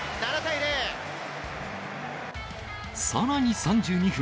さらに３２分。